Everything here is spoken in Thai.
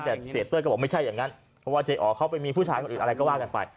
แต่เสียเต้ยก็บอกไม่ใช่อย่างนั้นเพราะว่าเจ๊อ๋อเขาไปมีผู้ชายคนอื่นอะไรก็ว่ากันไป